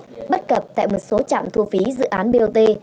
bất cập tại một số trạm thu phí dự án bot